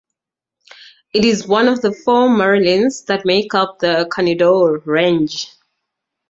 It is one of the four Marilyns that make up the Carneddau range.